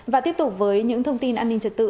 và tiếp tục với những thông tin an ninh trật tự